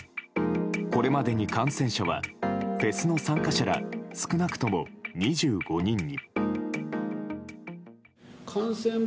これまでに感染者はフェスの参加者ら少なくとも２５人に。